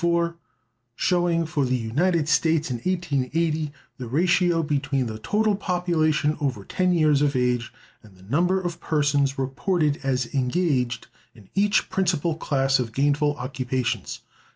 _Chart showing for the United States, in 1880, the ratio between the total population over ten years of age and the number of persons reported as engaged in each principal class of gainful occupations.